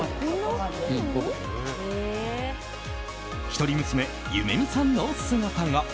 一人娘・夢弓さんの姿が。